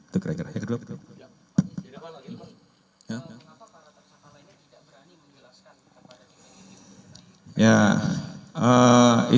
kenapa para tersangka lainnya tidak berani menjelaskan kepada pihak ini